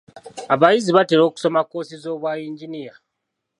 Abayizi batera okusoma koosi z'obwa yinginiya.